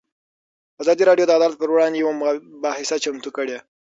ازادي راډیو د عدالت پر وړاندې یوه مباحثه چمتو کړې.